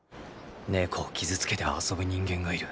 猫を傷つけて遊ぶ人間がいる。